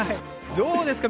どうですか？